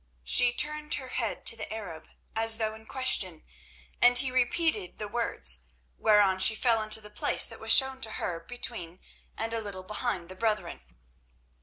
She turned her head to the Arab as though in question, and he repeated the words, whereon she fell into the place that was shown to her between and a little behind the brethren.